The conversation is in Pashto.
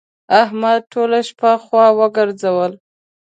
احمد ټوله شپه خوا وګرځوله.